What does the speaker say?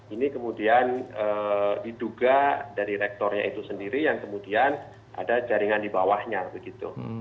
ini kemudian diduga dari rektornya itu sendiri yang kemudian ada jaringan di bawahnya begitu